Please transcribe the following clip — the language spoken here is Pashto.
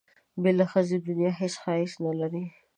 بې له ښځې دنیا هېڅ ښایست نه لري.